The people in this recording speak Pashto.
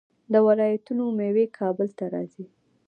د ولایتونو میوې کابل ته راځي.